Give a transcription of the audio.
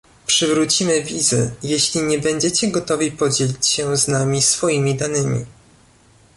przywrócimy wizy, jeśli nie będziecie gotowi podzielić się z nami swoimi danymi